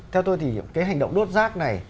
theo tôi thì cái hành động đốt rác này